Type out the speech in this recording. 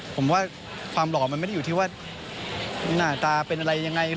ผมว่าความหล่อมันไม่ได้อยู่ที่ว่าหน้าตาเป็นอะไรยังไง